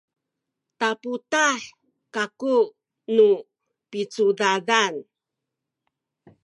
taputah kaku nu picudadan